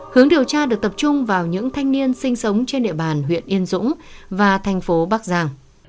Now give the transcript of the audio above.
hướng điều tra được tập trung vào những thanh niên sinh sống trên địa bàn huyện yên dũng và thành phố bắc giang